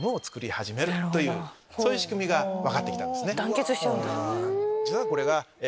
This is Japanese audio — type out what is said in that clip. そういう仕組みが分かってきたんですね。